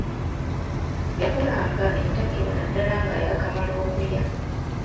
Yakolanga entakera naddala nga yaakamala okulya.